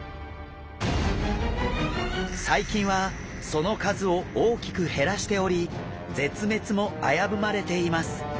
最近はその数を大きく減らしており絶滅も危ぶまれています。